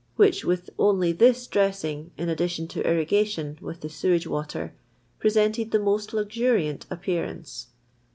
which with only this dressing in addition to irri gation with the sewage water presented the m:*: luxuriant appearance.